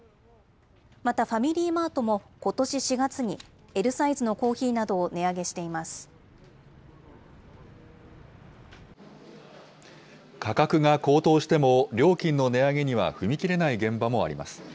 またファミリーマートも、ことし４月に、Ｌサイズのコーヒーなど価格が高騰しても、料金の値上げには踏み切れない現場もあります。